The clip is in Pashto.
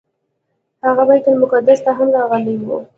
هغه بیت المقدس ته هم راغلی و.